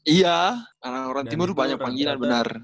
iya orang orang timur itu banyak panggilan benar